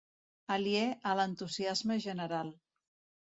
Aliè a l'entusiasme general.